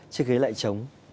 chiếc ghế lại trống